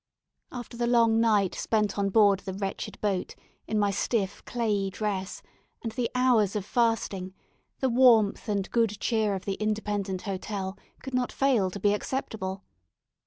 After the long night spent on board the wretched boat in my stiff, clayey dress, and the hours of fasting, the warmth and good cheer of the Independent Hotel could not fail to be acceptable.